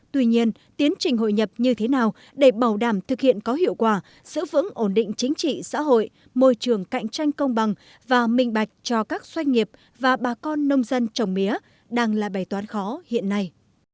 tuy nhiên tiến trình hội nhập như thế nào để bảo đảm thực hiện có hiệu quả giữ vững ổn định chính trị xã hội môi trường cạnh tranh công bằng và minh bạch cho các doanh nghiệp và bà con nông dân trồng mía đang là bài toán khó hiện nay